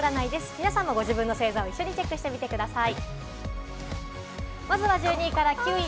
皆さんもご自分の星座をチェックしてみてください。